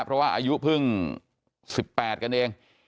เพราะว่าอายุเพิ่ง๑๘กันเอง